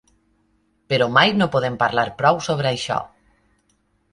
Però mai no podem parlar prou sobre això.